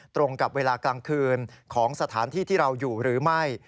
ตรงกับเวลากลางคืนของสถานที่ที่เราอยู่หรือไม่